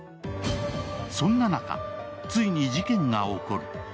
そんな中、ついに事件が起こる。